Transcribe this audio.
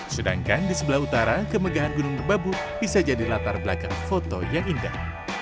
sedangkan di sebelah utara kemegahan gunung merbabu bisa jadi latar belakang foto yang indah